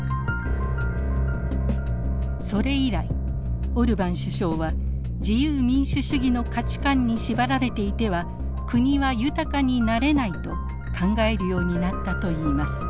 それ以来オルバン首相は自由民主主義の価値観に縛られていては国は豊かになれないと考えるようになったといいます。